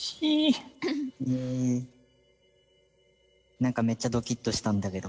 何かめっちゃどきっとしたんだけど。